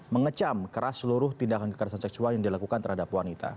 mengecam keras seluruh tindakan kekerasan seksual yang dilakukan terhadap wanita